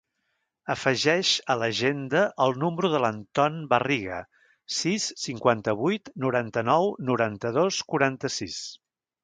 Afegeix a l'agenda el número de l'Anton Barriga: sis, cinquanta-vuit, noranta-nou, noranta-dos, quaranta-sis.